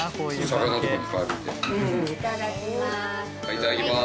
いただきます。